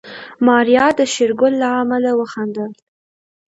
ماريا د شېرګل له عمل وخندل.